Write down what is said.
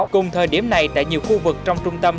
cùng thời điểm này tại nhiều khu vực trong trung tâm